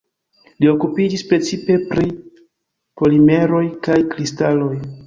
Li okupiĝis precipe pri polimeroj kaj kristaloj.